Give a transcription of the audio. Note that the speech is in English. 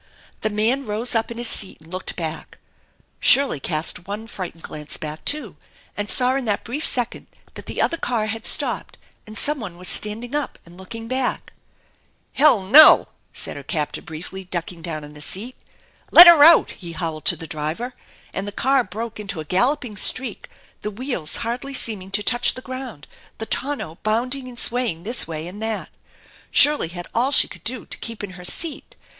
The man rose up in his seat and looked back. Shirley casl one frightened glance back, too, and saw in that brief second that the other car had stopped and someone was standing up aiu? looking back. THE ENCHANTED BARN te Hell ! No ! >f said her captor briefly, ducking down in nis seat. "Let her out!" he howled to the driver, and the car broke into a galloping streak, the wheels hardly seeming to touch the ground, the tonneau bounding and swaying this way and that. Shirley had all she could do to keep in her Beat.